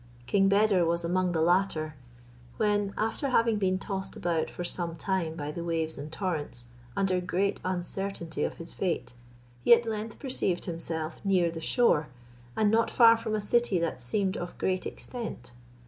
King Beder was among the latter, when, after having been tossed about for some time by the waves and torrents, under great uncertainty of his fate, he at length perceived himself near the shore, and not far from a city that seemed of great extent.